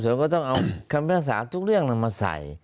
ซึ่งต้องเอาคำภากษาทุกเรื่องมาใส่